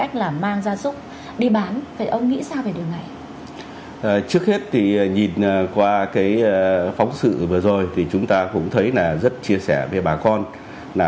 trước hết nhìn qua phóng sự vừa rồi thì chúng ta cũng thấy rất chia sẻ với bà con